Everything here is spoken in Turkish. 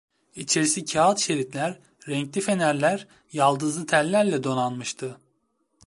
İçerisi kâğıt şeritler, renkli fenerler, yaldızlı tellerle donanmıştı.